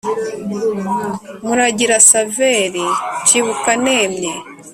muragira xaveri nshibuka nemye